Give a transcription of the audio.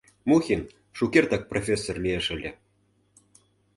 Мухин шукертак профессор лиеш ыле.